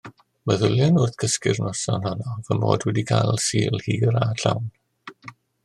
Meddyliwn wrth gysgu'r noson honno fy mod wedi cael Sul hir a llawn.